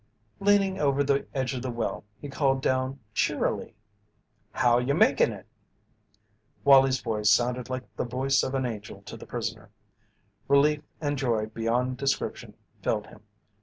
Leaning over the edge of the well, he called down cheerily: "How you making it?" Wallie's voice sounded like the voice of an angel to the prisoner. Relief and joy beyond description filled him.